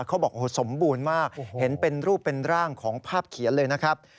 เขาบอกสมบูรณ์มากเห็นเป็นรูปเป็นร่างของภาพเขียนเลยนะครับ